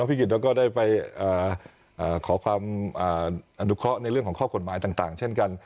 กิจแล้วก็ได้ไปขอความอนุเคราะห์ในเรื่องของข้อกฎหมายต่างเช่นกัน